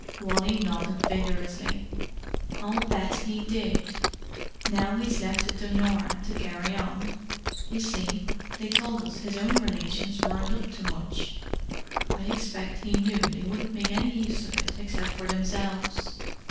Wally nodded vigorously. "I'll bet he did. Now he's left it to Norah to carry on. You see, they told us his own relations weren't up to much. I expect he knew they wouldn't make any use of it except for themselves.